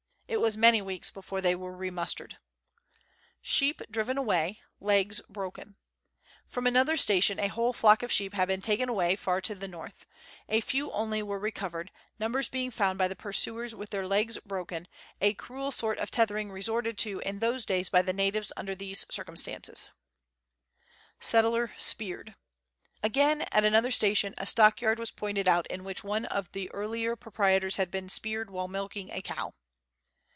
It was many weeks before they were re mustered. Sheep driven away; legs broken. From another station, a whole flock of sheep had been taken away, far to the north ; a few only were recovered, numbers being found by the pursuers with their legs broken, a cruel sort of tethering resorted to in those days by the natives under these circumstances. Letters from Victorian Pioneers. 219 Settler speared. Again, at another station, a stockyard was pointed out in which one of the earlier proprietors had been speared while milking a cow.